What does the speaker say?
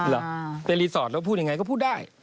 เหรอในรีสอร์ทแล้วพูดยังไงก็พูดได้